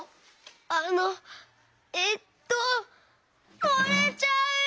あのえっともれちゃう！